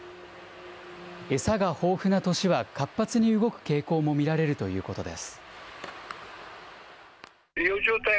餌が豊富な年は活発に動く傾向も見られるということです。